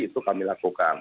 itu kami lakukan